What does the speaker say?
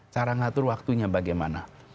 cara mengatur waktunya bagaimana